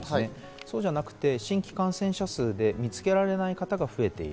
そうじゃなくて新規感染者数で見つけられない方が増えている。